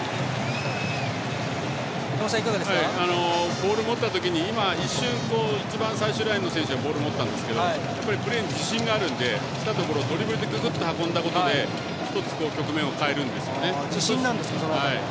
ボール持った時に一瞬一番、最終ラインの選手がボールを持ったんですけどプレーに自信があるのでプレー来たところドリブルでググッと運んだことで１つ局面を変えるんですよね。